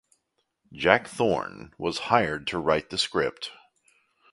Jack Thorne was hired to write the script.